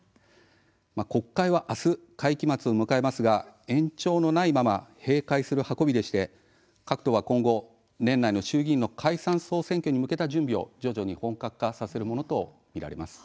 国会はあす会期末を迎えますが延長のないまま閉会する運びでして各党は今後、年内の衆議院の解散総選挙に向けた準備を徐々に本格化させるものと見られます。